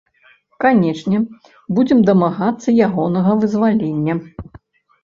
Канечне, будзем дамагацца ягонага вызвалення.